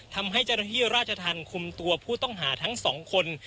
ทำให้เจ้าหน้าที่ราชธรรมคุมตัวผู้ต้องหาทั้งสองคน